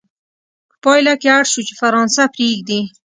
په پایله کې اړ شو چې فرانسه پرېږدي.